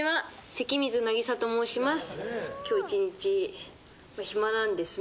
関水渚と申します。